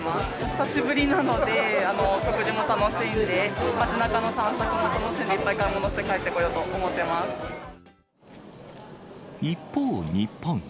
久しぶりなので、食事も楽しんで、街なかの散策も楽しんで、いっぱい買い物して帰ってこようと思っ一方、日本。